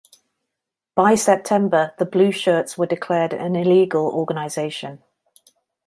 By September the Blueshirts were declared an illegal organisation.